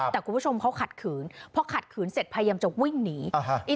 แต่คุณผู้ชมเขาขัดขืนพอขัดขืนเสร็จพยายามจะวิ่งหนี